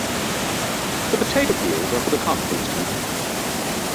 The potato peels are for the compost heap.